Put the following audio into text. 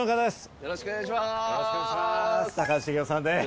よろしくお願いします。